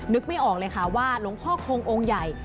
นึกไม่ออกเลยค่ะว่าหลวงพ่อคงองค์ใหญ่